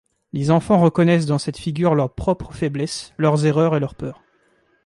Les enfants reconnaissent dans cette figure leurs propres faiblesses, leurs erreurs et leurs peurs.